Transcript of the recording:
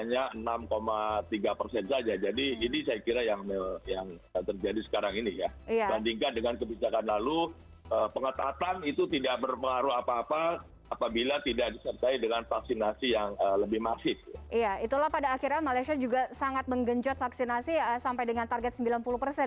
yang dirawat di rumah